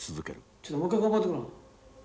ちょっともう一回頑張ってごらん。